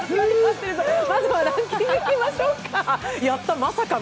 まずはランキングいきましょうか。